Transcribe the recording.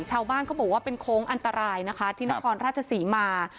ชาวบ้านเขาบอกว่าเป็นโค้งอันตรายนะคะที่นครราชศรีมา